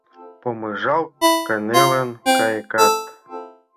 Помыжалт кынелын, кайыкат